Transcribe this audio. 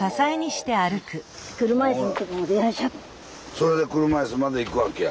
それで車椅子まで行くわけや。